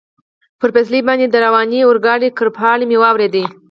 پر پټلۍ باندې د روانې اورګاډي کړپهار مې اورېده.